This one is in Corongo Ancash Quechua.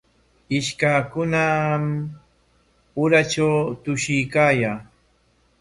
Ishkallankunam uratraw tushuykaayan.